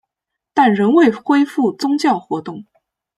但仍未恢复宗教活动。